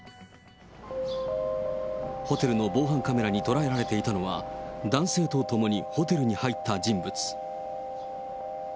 ホテルの防犯カメラに捉えられていたのは、男性と共にホテルに入った人物。